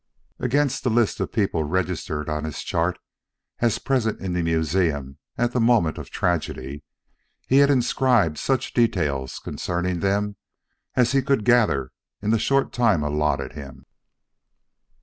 Against the list of people registered on his chart as present in the museum at the moment of tragedy, he had inscribed such details concerning them as he could gather in the short time allotted him.